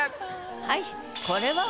はい。